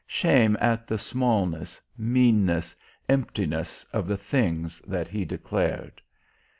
Shame at the smallness, meanness, emptiness of the things that he declared.